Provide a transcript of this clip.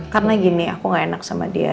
karena gini aku nggak enak sama dia